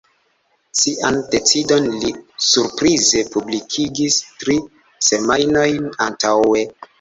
Sian decidon li surprize publikigis tri semajnojn antaŭe.